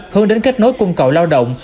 hướng đến kết nối cung cầu lao động